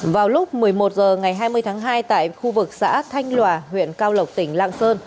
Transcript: vào lúc một mươi một h ngày hai mươi tháng hai tại khu vực xã thanh lòa huyện cao lộc tỉnh lạng sơn